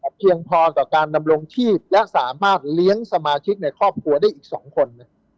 เพียงพอต่อการดำรงชีพและสามารถเลี้ยงสมาชิกในครอบครัวได้อีก๒คน